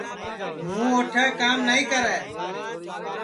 ہوں اوٹھے کام نائی کرے